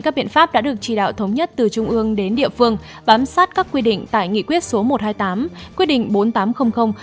các biện pháp đã được chỉ đạo thống nhất từ trung ương đến địa phương bám sát các quy định tại nghị quyết số một trăm hai mươi tám quyết định bốn nghìn tám trăm linh